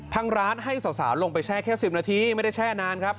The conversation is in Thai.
ทางร้านให้สาวลงไปแช่แค่๑๐นาทีไม่ได้แช่นานครับ